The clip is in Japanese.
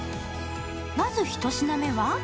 まず、１品目は？